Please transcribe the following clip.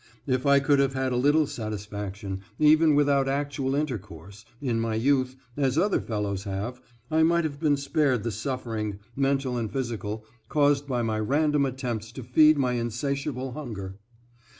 If I could have had a little satisfaction, even without actual intercourse, in my youth, as other fellows have, I might have been spared the suffering, mental and physical, caused by my random attempts to feed my insatiable hunger.